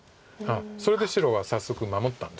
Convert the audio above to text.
それで白は早速守ったんです。